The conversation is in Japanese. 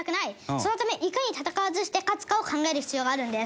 そのためいかに戦わずして勝つかを考える必要があるんです。